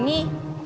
ntar aku main